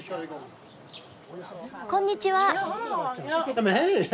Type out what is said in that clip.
こんにちは！